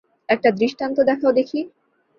একটা দৃষ্টান্ত দেখাও দেখি।